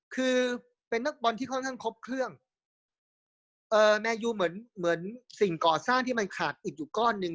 คือเป็นนักบอลที่ค่อนข้างครบเครื่องแมนยูเหมือนเหมือนสิ่งก่อสร้างที่มันขาดอิดอยู่ก้อนหนึ่ง